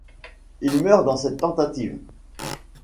Il meurt dans cette tentative.